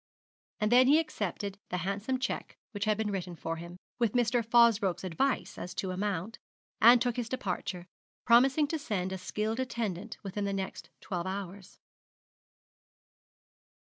And then he accepted the handsome cheque which had been written for him, with Mr. Fosbroke's advice as to amount, and took his departure, promising to send a skilled attendant within the next twelve hours.